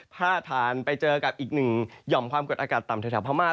พ่าทานไปเจอกับอีกหนึ่งย่อมความเกิดอากาศต่ำเท่าภามาร์